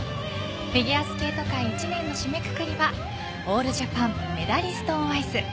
フィギュアスケート界１年の締めくくりはオールジャパンメダリスト・オン・アイス。